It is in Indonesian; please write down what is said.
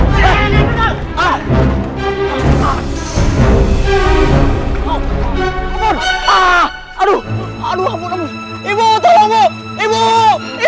sampai ketemu lagi